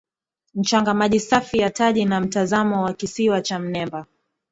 Mchanga maji safi ya taji na mtazamo wa kisiwa cha Mnemba